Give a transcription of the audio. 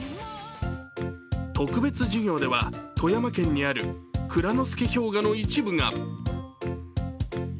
特別授業では富山県にある内蔵助氷河の一部が。